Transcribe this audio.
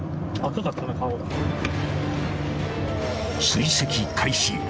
［追跡開始。